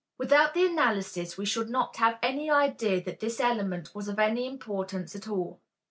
Without the analysis we should not have had any idea that this element was of any importance at all.